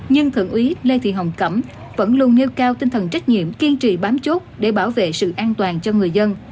nhưng thượng úy lê thị hồng cẩm vẫn luôn nêu cao tinh thần trách nhiệm kiên trì bám chốt để bảo vệ sự an toàn cho người dân